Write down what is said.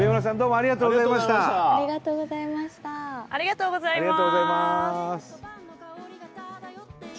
ありがとうございます！